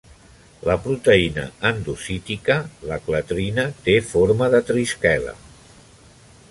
La proteïna endocítica, la clatrina, té forma de trisquela.